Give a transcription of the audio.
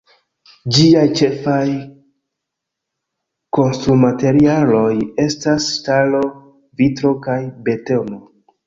Ĝiaj ĉefaj konstrumaterialoj estas ŝtalo, vitro kaj betono.